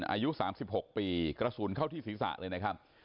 อายุ๓๖ปีกระสุนเข้าที่ศีรษะเลยนะครับ